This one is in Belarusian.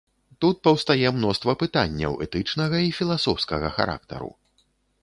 Тут паўстае мноства пытанняў этычнага і філасофскага характару.